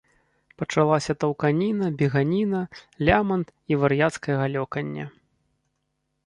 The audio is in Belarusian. Пачалася таўканіна, беганіна, лямант і вар'яцкае галёканне.